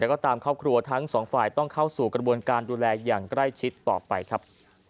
แล้วก็ตามครอบครัวทั้งสองฝ่ายต้องเข้าสู่กระบวนการดูแลอย่างใกล้ชิดต่อไปครับ